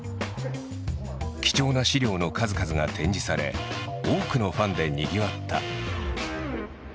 貴重な資料の数々が展示され多くのファンでにぎわった。